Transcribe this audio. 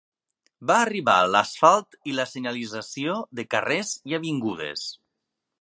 Va arribar l'asfalt i la senyalització de carrers i avingudes.